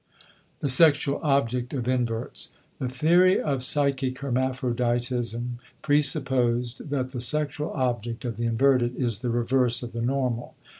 *The Sexual Object of Inverts.* The theory of psychic hermaphroditism presupposed that the sexual object of the inverted is the reverse of the normal.